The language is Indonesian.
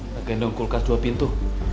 lagian dong kulkas dua pintu